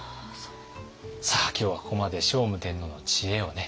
さあ今日はここまで聖武天皇の知恵をね